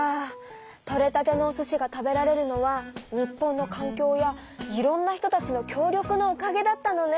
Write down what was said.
とれたてのお寿司が食べられるのは日本のかんきょうやいろんな人たちの協力のおかげだったのね。